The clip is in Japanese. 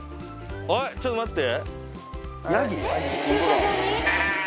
あっちょっと待って。